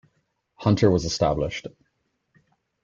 Hunter was established.